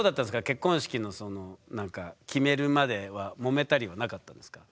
結婚式のその決めるまではもめたりはなかったんですか？